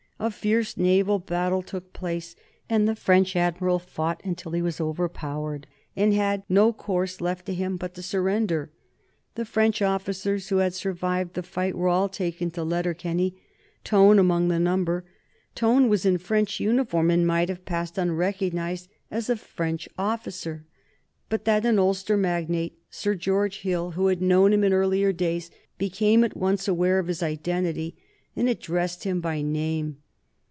A fierce naval battle took place, and the French admiral fought until he was overpowered, and had no course left to him but to surrender. The French officers who had survived the fight were all taken to Letterkenny, Tone among the number. Tone was in French uniform, and might have passed unrecognized as a French officer but that an Ulster magnate, Sir George Hill, who had known him in earlier days, became at once aware of his identity, and addressed him by name.